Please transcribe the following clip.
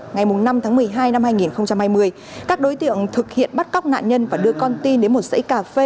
ngày năm tháng một mươi hai năm hai nghìn hai mươi các đối tượng thực hiện bắt cóc nạn nhân và đưa con tin đến một dãy cà phê